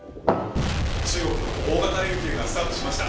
中国の大型連休がスタートしました。